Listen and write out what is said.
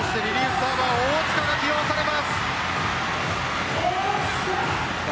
サーバー大塚が起用されます。